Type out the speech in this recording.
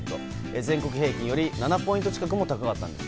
全国平均より７ポイント近くも高かったんです。